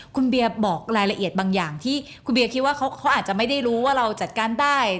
คุณเบียบอกรายละเอียดบางอย่างที่คุณเบียคิดว่าเขาอาจจะไม่ได้รู้ว่าเราจัดการได้